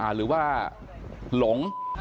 หรือว่าหลง